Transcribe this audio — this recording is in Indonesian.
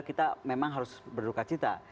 kita memang harus berduka cita